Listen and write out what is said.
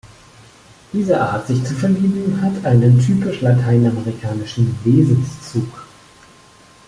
Diese Art sich zu verlieben hat einen typisch lateinamerikanischen Wesenszug.